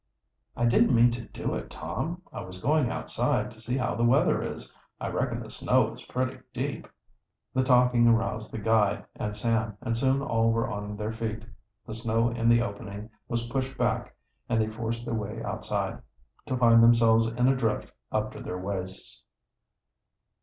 "I didn't mean to do it, Tom. I was going outside, to see how the weather is. I reckon the snow is pretty deep." The talking aroused the guide and Sam, and soon all were on their feet. The snow in the opening was pushed back and they forced their way outside, to find themselves in a drift up to their waists.